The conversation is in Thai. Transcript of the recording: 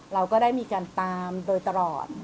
เราก็ได้มีการตามโดยตลอด